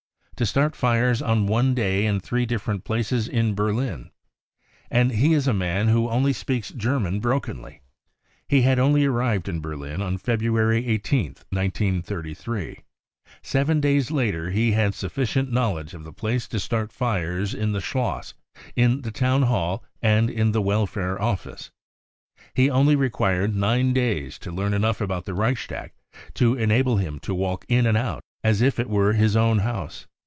To start fires on one day in three different places in Berlin ! And he is a man who only speaks German brokenly. He had only arrived in Berlin on February 18th, 1933, Seven days later he had sufficient knowledge of the place to start fires in the Schloss, in the Town Flail and in the Welfare Office. He only required nine days to learn enough about the Reichstag to enable him to walk in and out as if it were his own house.